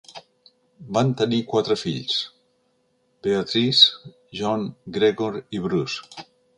Van tenir quatre fills; Beatrice, John, Gregor i Bruce.